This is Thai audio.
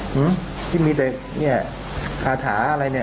อืมที่มีเด็กเนี่ยคาถาอะไรเนี่ย